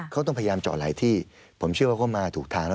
เขาต้องพยายามเจาะหลายที่ผมเชื่อว่าเขามาถูกทางแล้ว